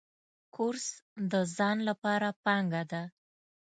کورس د ځان لپاره پانګه ده.